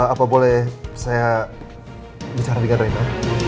apa boleh saya bicara dengan rena